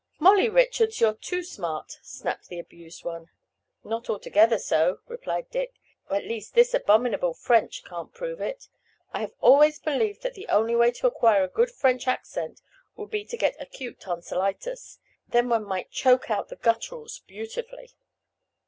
"Molly Richards, you're too smart!" snapped the abused one. "Not altogether so," replied Dick. "At least this abominable French can't prove it. I have always believed that the only way to acquire a good French accent would be to get acute tonsilitis. Then one might choke out the gutterals beautifully."